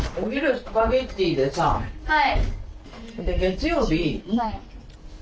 はい。